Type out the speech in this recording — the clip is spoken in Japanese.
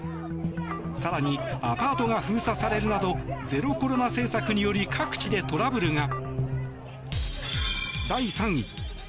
更にアパートが封鎖されるなどゼロコロナ政策により各地でトラブルが。